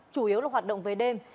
chủ yếu là hoạt động về đêm